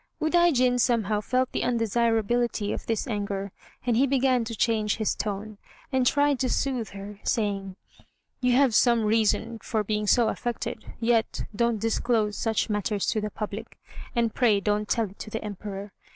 Udaijin somehow felt the undesirability of this anger, and he began to change his tone, and tried to soothe her, saying: "You have some reason for being so affected; yet don't disclose such matters to the public, and pray don't tell it to the Emperor.